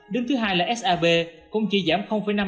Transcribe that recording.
đứng thứ hai là sab cũng chỉ giảm năm mươi bảy